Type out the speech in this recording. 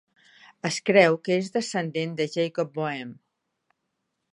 Es creu que és descendent de Jakob Boehme.